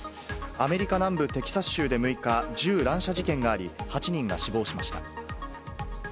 アメリカ南部テキサス州で６日、銃乱射事件があり、８人が死亡しました。